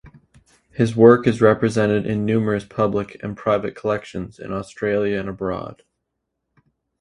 His work is represented in numerous public and private collections in Australia and abroad.